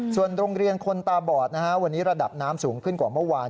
ส่วนโรงเรียนคนตาบอดนะฮะวันนี้ระดับน้ำสูงขึ้นกว่าเมื่อวาน